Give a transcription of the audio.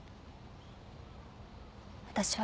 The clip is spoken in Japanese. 私は。